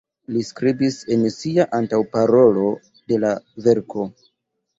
Li skribis en sia antaŭparolo de la verko.